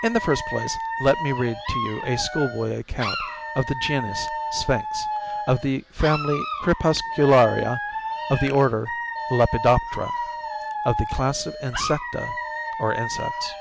In the first place, let me read to you a schoolboy account of the genus Sphinx, of the family Crepuscularia of the order Lepidoptera, of the class of Insecta—or insects.